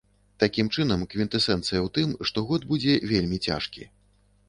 Такім чынам, квінтэсэнцыя у тым, што год будзе вельмі цяжкі.